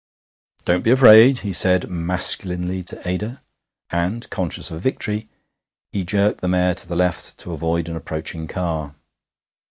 'Don't be afraid,' he said masculinely to Ada. And, conscious of victory, he jerked the mare to the left to avoid an approaching car....